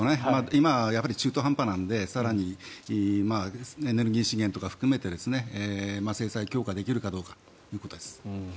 今は中途半端なので更に、エネルギー資源とか含めて制裁強化できるかどうかということです。